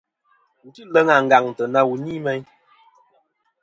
Wu tî leŋ àngàŋtɨ na wù ni meyn.